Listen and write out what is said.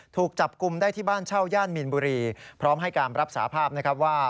ถูกจับกลุ่มได้ที่บ้านเช่าย่านมีนบุรีพร้อมให้การรับสาภาพนะครับว่า